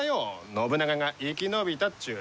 信長が生き延びたっちゅう。